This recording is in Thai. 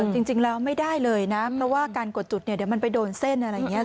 จริงแล้วไม่ได้เลยนะเพราะว่าการกดจุดเนี่ยเดี๋ยวมันไปโดนเส้นอะไรอย่างนี้